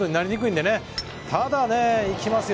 ただいきますよ。